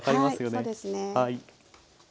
はいそうですね。